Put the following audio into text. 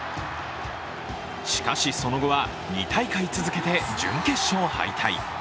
しかし、その後は２大会続けて準決勝敗退。